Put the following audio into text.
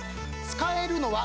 使えるのは。